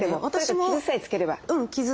傷さえつければ。